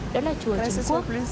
đó là chùa trung quốc